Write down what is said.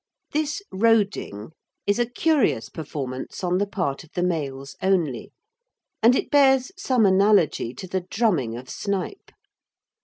This "roding" is a curious performance on the part of the males only, and it bears some analogy to the "drumming" of snipe.